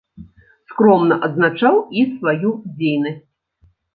Скромна адзначаў і сваю дзейнасць.